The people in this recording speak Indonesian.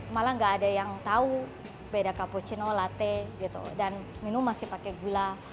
malah nggak ada yang tahu beda capoccino latte dan minum masih pakai gula